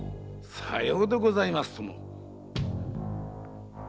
さようでございますとも。